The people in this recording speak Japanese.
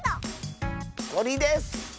とりです！